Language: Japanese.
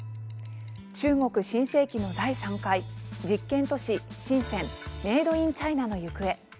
中国新世紀の第３回「実験都市深センメイドインチャイナの行方」。